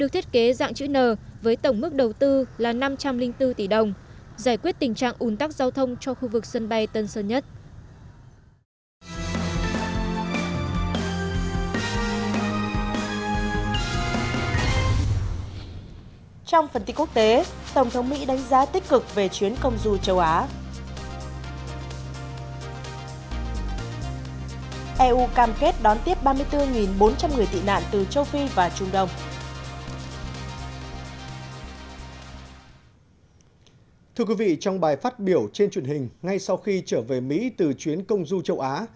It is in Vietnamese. thưa quý vị trong bài phát biểu trên truyền hình ngay sau khi trở về mỹ từ chuyến công du châu á